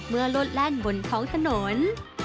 เมื่อโลดแล่งบนท้องถนน